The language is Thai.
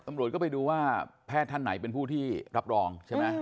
ตำรวจก็ไปดูว่าแพทย์ท่านไหนเป็นผู้ที่รับรองใช่ไหม